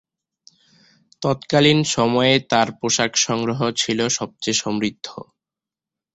তৎকালীন সময়ে তার পোশাক সংগ্রহ ছিল সবচেয়ে সমৃদ্ধ।